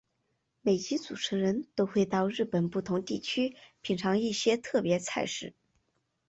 每集主持人都会到日本不同地方品尝一些特别菜式。